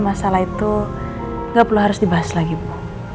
saya rasa masalah itu gak perlu harus dibahas lagi bu